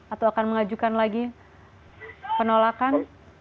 atau akan mengajukan lagi penolakan